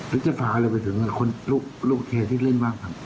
หรือจะฝากอะไรไปถึงลูกเคที่เล่นบ้างครับ